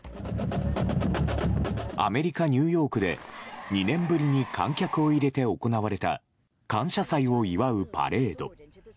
アメリカ・ニューヨークで２年ぶりに観客を入れて行われた感謝祭を祝うパレード。